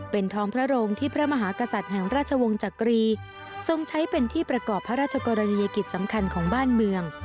เป็นทองพระโรงที่พระมหากษัตริย์แห่งราชวงศ์จักรีทรงใช้เป็นที่ประกอบพระราชกรณียกิจสำคัญของบ้านเมือง